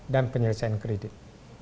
dan penyelesaian kredit